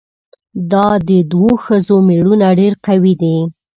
دا د دوو ښځو ميړونه ډېر قوي دي؟